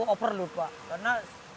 overload pak karena